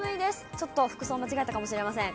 ちょっと服装、間違えたかもしれません。